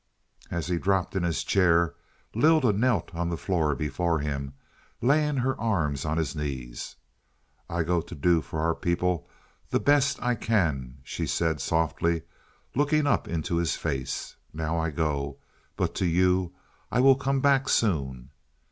As he dropped in his chair Lylda knelt on the floor before him, laying her arms on his knees. "I go to do for our people the best I can," she said softly, looking up into his face. "Now I go, but to you I will come back soon."